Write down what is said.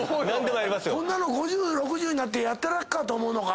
こんなの５０６０になってやってられっか！と思うのか。